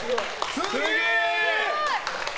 すげえ！